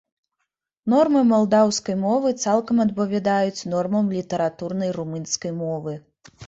Нормы малдаўскай мовы цалкам адпавядаюць нормам літаратурнай румынскай мовы.